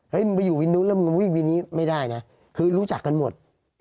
มึงไปอยู่วินนู้นแล้วมึงวิ่งวินนี้ไม่ได้นะคือรู้จักกันหมด